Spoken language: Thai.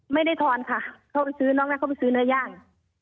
ไม่ได้ทอนเนาะแม่เขาไปซื้อเนื้อย่าง